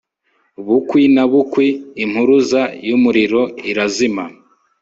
bukwi na bukwi, impuruza y'umuriro irazima